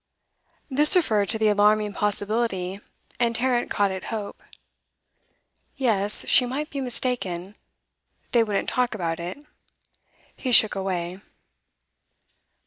This referred to the alarming possibility, and Tarrant caught at hope. Yes, she might be mistaken; they wouldn't talk about it; he shook it away.